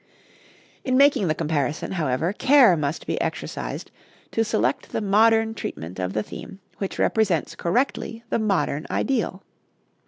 In making the comparison, however, care must be exercised to select the modern treatment of the theme which represents correctly the modern ideal.